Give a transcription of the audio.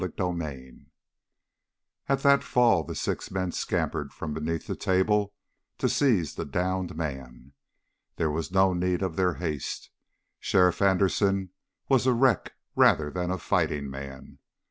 CHAPTER 9 At that fall the six men scampered from beneath the table to seize the downed man. There was no need of their haste. Sheriff Anderson was a wreck rather than a fighting man.